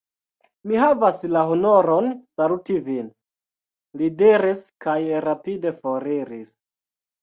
Mi havas la honoron saluti vin, li diris kaj rapide foriris.